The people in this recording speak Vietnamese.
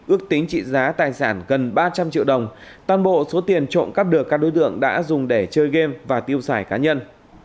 ước tính trị giá tài sản gần ba trăm linh triệu đồng toàn bộ số tiền trộm cắp được các đối tượng đã dùng để chơi game và tiêu xài cá nhân